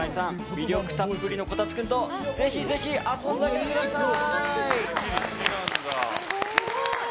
魅力たっぷりの虎龍君とぜひぜひ遊んであげてください！